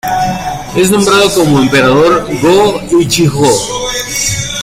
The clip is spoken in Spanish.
Es nombrado como Emperador Go-Ichijō.